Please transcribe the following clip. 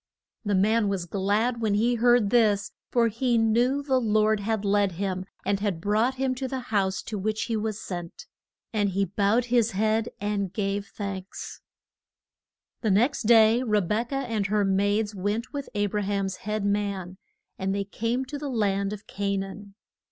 The man was glad when he heard this, for he knew the Lord had led him, and had brought him to the house to which he was sent. And he bowed his head and gave thanks. [Illustration: RE BEK AH JOUR NEY ING TO I SAAC.] The next day Re bek ah and her maids went with A bra ham's head man. And they came to the land of Ca naan.